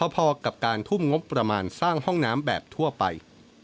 พอกับการทุ่มงบประมาณสร้างห้องน้ำแบบทั่วไป